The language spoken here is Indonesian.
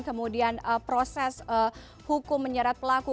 kemudian proses hukum menyerat pelaku